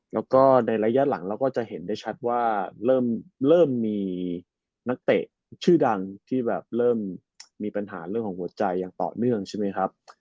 แล้วก็ในระยะหลังเราก็จะเห็นได้ชัดว่าเริ่มมีนักเตะชื่อดังที่แบบเริ่มมีปัญหาเรื่องของหัวใจอย่างต่อเนื่องใช่ไหมครับ